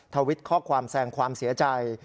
ทวิตข้อความแสงความเสียใจ